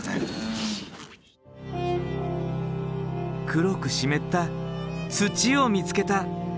黒く湿った土を見つけた。